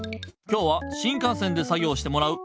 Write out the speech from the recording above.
今日は新かん線で作ぎょうしてもらう。